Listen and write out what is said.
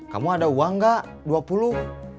kamu ada uang gak